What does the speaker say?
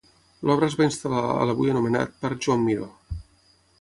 L'obra es va instal·lar a l'avui anomenat Parc Joan Miró.